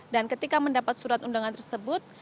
dan ketika mendapat surat undangan tersebut